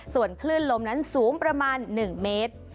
ส่วนคลื่นลมนั้นสูงประมาณ๑เมตร